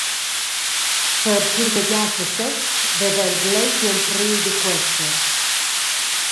Per schurmegiar sesez veva el gleiti empriu da quescher.